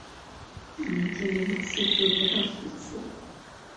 一年见面的次数不到十次